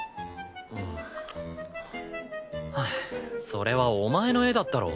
それはお前の絵だったろ。